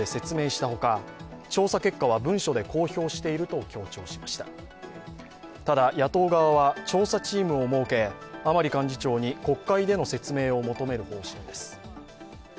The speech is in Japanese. ただ、野党側は調査チームを設け余り幹事長に国会での説明を求める方針です。